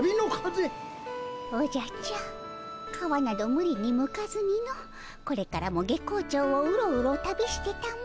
おじゃちゃー皮などむりにむかずにのこれからも月光町をウロウロ旅してたも。